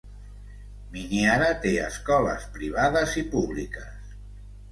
Miniara té escoles privades i públiques.